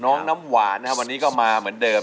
น้ำหวานนะครับวันนี้ก็มาเหมือนเดิม